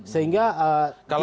sehingga tidak bisa terjadi